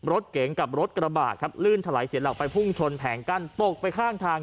รถเก๋งกับรถกระบาดครับลื่นถลายเสียหลักไปพุ่งชนแผงกั้นตกไปข้างทาง